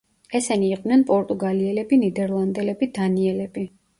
ესენი იყვნენ პორტუგალიელები, ნიდერლანდელები, დანიელები.